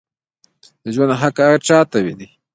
د ژوند حق هر چا ته دی